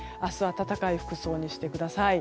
暖かい服装にしてください。